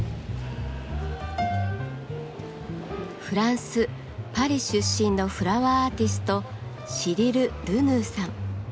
フランス・パリ出身のフラワーアーティストシリル・ルヌーさん。